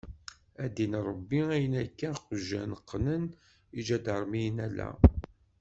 A ddin Ṛebbi ayen akka iqjan qnen iǧadarmiyen ala.